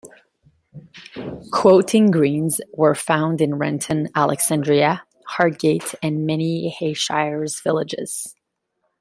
Quoiting greens were found in Renton, Alexandria, Hardgate and many Ayrshire villages.